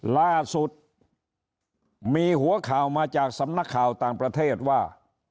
ล่าสุดมีหัวข่าวมาจากสำนักข่าวต่างประเทศว่า